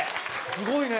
すごいね。